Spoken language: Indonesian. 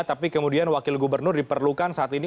tapi kemudian wakil gubernur diperlukan saat ini